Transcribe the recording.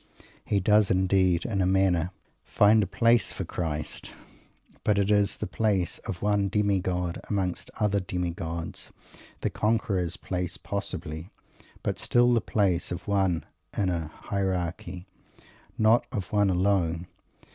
He does, indeed, in a manner find a place for Christ, but it is the place of one demigod among many other demi gods; the conqueror's place possibly, but still the place of one in a hierarchy, not of one alone.